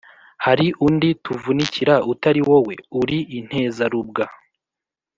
hari undi tuvunikira utari wowe? uri intezarubwa!»